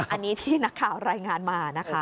อันนี้ที่นักข่าวรายงานมานะคะ